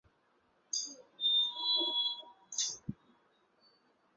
河东路街道是中国黑龙江省鹤岗市兴安区下辖的一个街道。